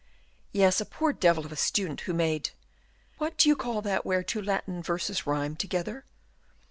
"Yes, a poor devil of a student, who made What do you call that where two Latin verses rhyme together?"